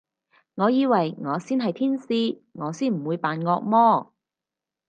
我以為我先係天使，我先唔會扮惡魔